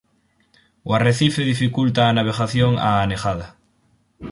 O arrecife dificulta a navegación a Anegada.